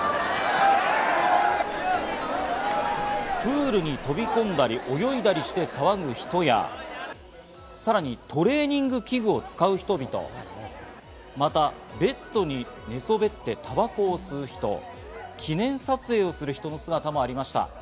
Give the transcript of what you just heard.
プールに飛び込んだり、泳いだりして騒ぐ人や、さらにトレーニング器具を使う人々、また、ベッドに寝そべってタバコを吸う人、記念撮影をする人の姿もありました。